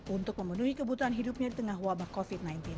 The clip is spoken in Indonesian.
untuk memenuhi kebutuhan hidupnya di tengah wabah covid sembilan belas